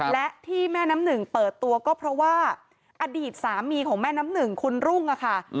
และที่แม่น้ำหนึ่งเปิดตัวก็เพราะว่าอดีตสามีของแม่น้ำหนึ่งคุณรุ่งอะค่ะ